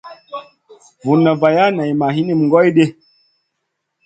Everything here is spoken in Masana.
Vunna vaya nay ma hinim goy ɗi.